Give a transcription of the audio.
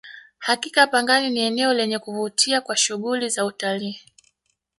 hakika pangani ni eneo lenye kuvutia kwa shughuli za utalii